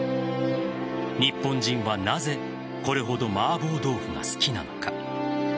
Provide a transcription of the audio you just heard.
日本人はなぜこれほど麻婆豆腐が好きなのか。